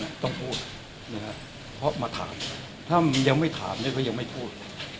เขาต้องพูดเพราะมาถามถ้ายังไม่ถามก็ยังไม่พูด